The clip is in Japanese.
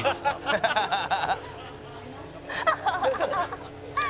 「ハハハハ！」